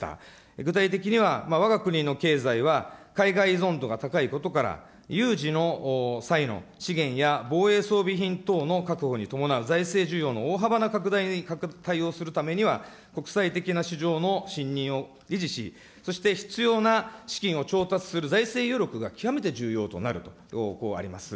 具体的には、わが国の経済は海外依存度が高いことから、有事の際の資源や防衛装備品等の確保に伴う財政需要の大幅な拡大に対応するためには、国際的な市場の信任を維持し、そして必要な資金を調達する財政余力が極めて重要となると、こうあります。